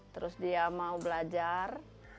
terus dia mau belajar